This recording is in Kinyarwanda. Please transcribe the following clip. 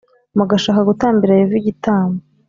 mugashaka gutambira Yehova igitamb